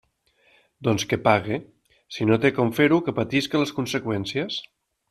Doncs que pague; i si no té com fer-ho que patisca les conseqüències.